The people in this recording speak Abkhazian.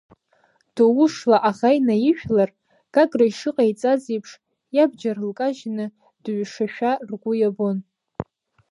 Доушла аӷа инаижәлар, Гагра ишыҟаиҵаз еиԥш, иабџьар лкажьны дыҩшашәа ргәы иабон.